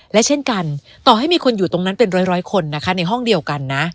และเช่นกันต่อให้มีคนอยู่ตรงนั้นเป็นร้อยคนนะคะในห้องเดียวกันนะ